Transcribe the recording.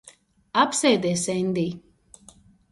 Apsēdies, Endij.